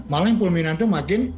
malah yang perminan itu makin